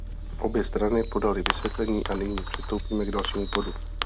Obě strany podaly vysvětlení a nyní přistoupíme k dalšímu bodu.